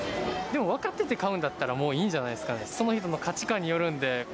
でも分かってて買うんだったら、もういいんじゃないすかね、その人の価値観によるんで。